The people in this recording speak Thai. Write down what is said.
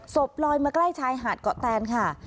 ลอยมาใกล้ชายหาดเกาะแตนค่ะ